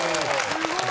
すごい！